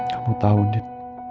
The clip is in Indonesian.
kamu tahu din